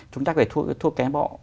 chúng ta có thể thua kém bỏ